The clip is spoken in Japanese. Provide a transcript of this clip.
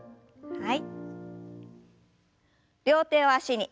はい。